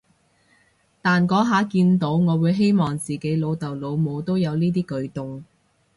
但嗰下見到，我會希望自己老豆老母都有呢啲舉動